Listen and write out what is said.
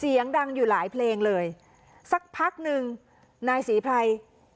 เสียงดังอยู่หลายเพลงเลยสักพักหนึ่งนายศรีไพร